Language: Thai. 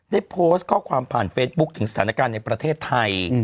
ได้โพสต์ข้อความผ่านเฟซบุ๊คถึงสถานการณ์ในประเทศไทย